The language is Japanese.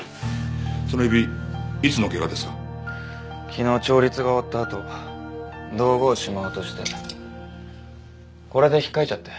昨日調律が終わったあと道具をしまおうとしてこれで引っかいちゃって。